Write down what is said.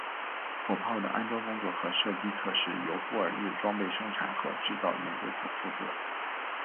火炮的安装工作和射击测试由布尔日装备生产和制造研究所负责。